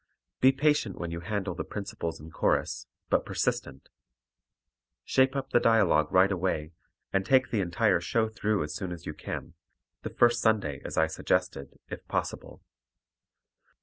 Be patient when you handle the principals and chorus, but persistent. Shape up the dialogue right away, and take the entire show through as soon as you can the first Sunday as I suggested, if possible.